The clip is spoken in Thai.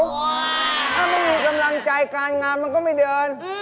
ถ้าไม่มีกำลังใจการงานมันก็ไม่เดิน